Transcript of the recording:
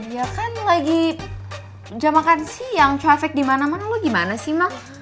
ya kan lagi jam makan siang traffic dimana mana lo gimana sih mak